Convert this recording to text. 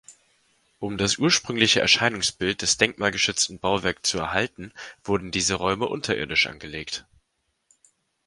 Um das ursprüngliche Erscheinungsbild des denkmalgeschützten Bauwerk zu erhalten, wurden diese Räume unterirdisch angelegt.